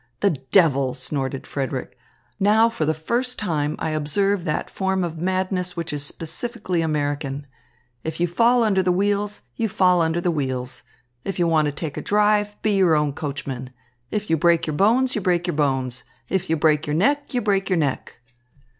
"The devil!" snorted Frederick. "Now for the first time I observe that form of madness which is specifically American. If you fall under the wheels, you fall under the wheels. If you want to take a drive, be your own coachman. If you break your bones, you break your bones. If you break your neck, you break your neck."